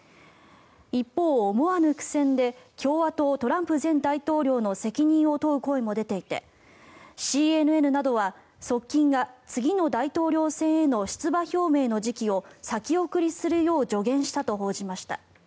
一方、思わぬ苦戦で共和党、トランプ前大統領の責任を問う声も出ていてＣＮＮなどは側近が次の大統領選への出馬表明の時期を先送りするよう助言したと報じました。